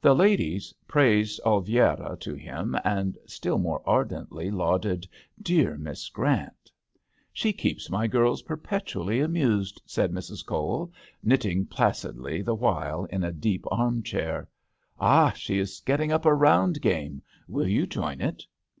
The ladies praised Oliviera to him, and still more ardently lauded dear Miss Grant." *' She keeps my girls per petually amused," said Mrs. Cowell, knitting placidly the while in a deep arm chair. Ah I she is getting up a round game. Will you join it